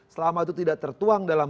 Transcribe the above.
selama itu tidak tertuang dalam